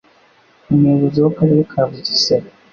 Umuyobozi w'Akarere ka Bugesera,